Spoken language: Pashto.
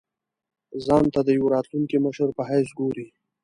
ځان ته د یوه راتلونکي مشر په حیث ګوري.